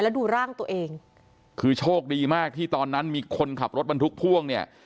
แล้วดูร่างตัวเองคือโชคดีมากที่ตอนนั้นมีคนขับรถบรรทุกพ่วงเนี่ย